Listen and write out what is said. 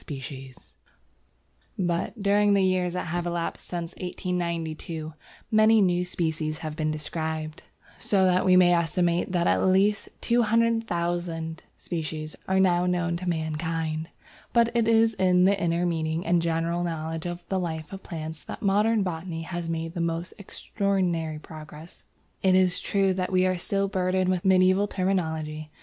But, during the years that have elapsed since 1892, many new species have been described, so that we may estimate that at least 200,000 species are now known to mankind. But it is in the inner meaning and general knowledge of the life of plants that modern botany has made the most extraordinary progress. It is true that we are still burdened with medieval terminology.